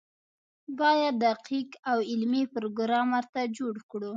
باید دقیق او علمي پروګرام ورته جوړ کړو.